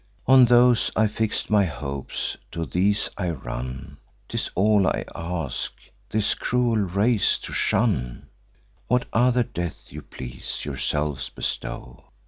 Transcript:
On those I fix'd my hopes, to these I run; 'Tis all I ask, this cruel race to shun; What other death you please, yourselves bestow.